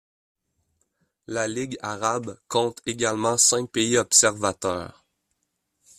La Ligue arabe compte également cinq pays observateurs.